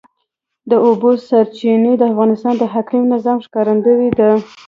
د اوبو سرچینې د افغانستان د اقلیمي نظام ښکارندوی ده.